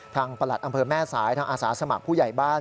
ประหลัดอำเภอแม่สายทางอาสาสมัครผู้ใหญ่บ้าน